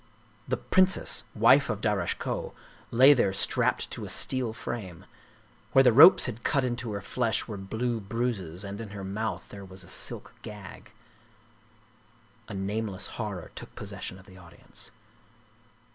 The princess, wife of Darasche Koh, lay there strapped to a steel frame. Where the ropes had cut into her flesh were blue bruises, and in her mouth there was a silk gag. A nameless horror took possession of the audience.